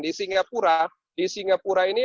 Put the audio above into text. di singapura di singapura ini